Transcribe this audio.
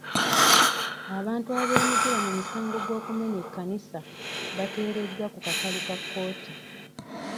Abantu abeenyigira mu musango gw'okumenya ekkanisa baateereddwa ku kakalu ka kkooti.